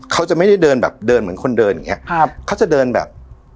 เขาจะไม่ได้เดินแบบเดินเหมือนคนเดินอย่างเงี้ครับเขาจะเดินแบบ